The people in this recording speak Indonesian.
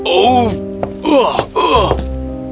oh aku harap punya sayap